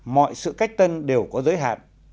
mọi sự cách tên đều có giới hạn